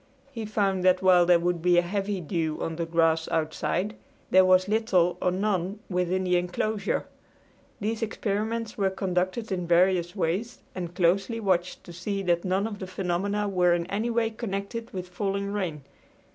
He found that while there would be a heavy dew on the grass outside there was little or none within the inclosure. These experiments were conducted in various ways and closely watched to see that none of the phenomena were in any way connected with falling rain.